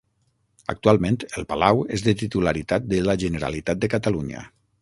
Actualment el palau és de titularitat de la Generalitat de Catalunya.